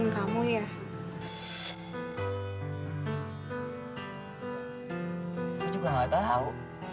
saya juga nggak tahu